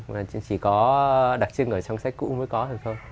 và chỉ có đặc trưng ở trong sách cũ mới có được thôi